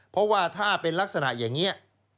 เพราะว่าถ้าเป็นลักษณะอย่างนี้